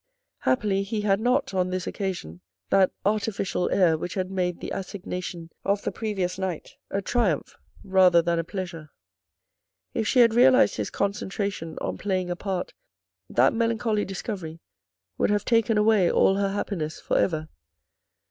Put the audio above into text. Happily, he had not, on this occasion, that artificial air which had made the assignation of the previous night a triumph rather than a pleasure. If she had realised his concentration on playing a part that melancholy discovery would have taken away all her happiness for ever.